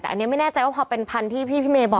แต่อันนี้ไม่แน่ใจว่าพอเป็นพันธุ์ที่พี่เมย์บอก